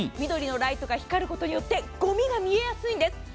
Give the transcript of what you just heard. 緑のライトが光ることによってごみが見えやすいんです。